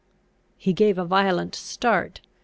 He gave a violent start.